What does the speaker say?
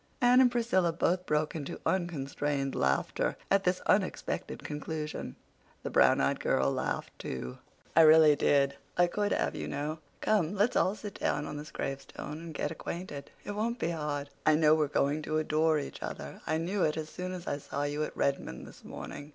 Anne and Priscilla both broke into unconstrained laughter at this unexpected conclusion. The brown eyed girl laughed, too. "I really did. I could have, you know. Come, let's all sit down on this gravestone and get acquainted. It won't be hard. I know we're going to adore each other—I knew it as soon as I saw you at Redmond this morning.